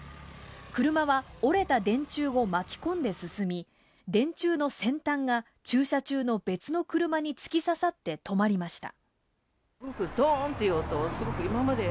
車は折れた電柱を巻き込んで進み、電柱の先端が駐車中の別の車に突き刺さって止まりました。